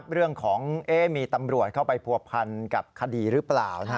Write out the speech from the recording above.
เรื่องของมีตำรวจเข้าไปผัวพันกับคดีหรือเปล่า